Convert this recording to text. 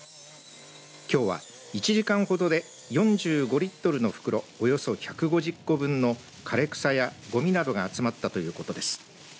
きょうは１時間ほどで４５リットルの袋、およそ１５０個分の枯れ草やごみなどが集まったということです。